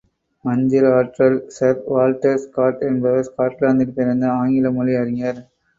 மந்திர ஆற்றல் sir Walter Scott என்பவர் ஸ்காட்லாந்தில் பிறந்த ஆங்கில மொழி அறிஞர்.